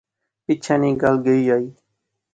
پچھے نی گل گئی آئی